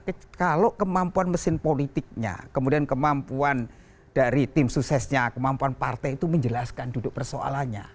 kalau kemampuan mesin politiknya kemudian kemampuan dari tim suksesnya kemampuan partai itu menjelaskan duduk persoalannya